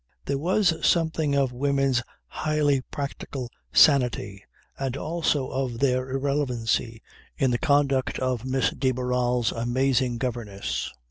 There was something of women's highly practical sanity and also of their irrelevancy in the conduct of Miss de Barral's amazing governess.